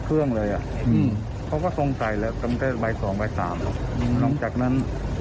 เครื่องเลยอ่ะเขาก็สงสัยแล้วมันก็ใบสองใบสามนอกจากนั้น